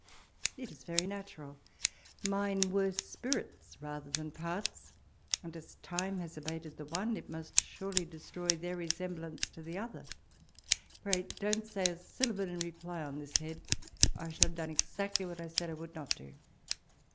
It is very natural ; mine were spirits rather than parts ; and as time has abated the one, it must surely destroy their resemblance to the other: pray don't say a syllable in reply on this head, or I shall have done exactly what I said I would not do.